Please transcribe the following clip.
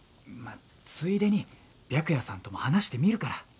まあついでに白夜さんとも話してみるから。